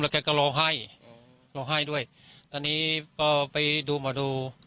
แกก็ร้องไห้ร้องไห้ด้วยตอนนี้พอไปดูหมอดู